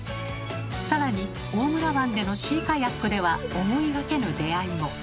更に大村湾でのシーカヤックでは思いがけぬ出会いも。